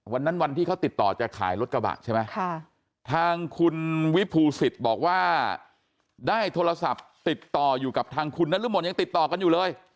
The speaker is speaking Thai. วันที่เขาติดต่อจะขายรถกระบะใช่ไหมทางคุณวิภูศิษย์บอกว่าได้โทรศัพท์ติดต่ออยู่กับทางคุณนรมนยังติดต่อกันอยู่เลย